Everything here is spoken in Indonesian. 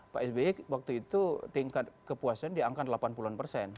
pak sby waktu itu tingkat kepuasan di angka delapan puluh an persen